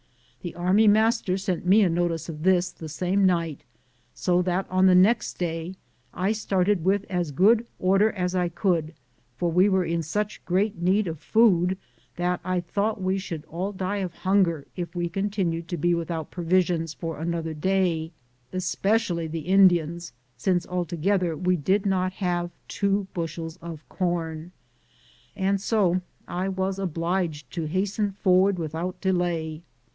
The army master sent me notice of this the same night, so that on the next day I started with as good order as I could, for we were in such great need of food that I thought we should all die of hunger if we continued to be with out provisions for another day, especially the Indians, since altogether we did not have two bushels of corn, and so I was obliged to hasten forward without delay.